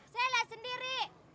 saya lihat sendiri